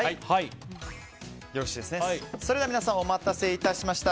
それでは皆さんお待たせいたしました。